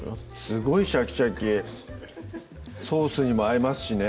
すごいシャキシャキソースにも合いますしね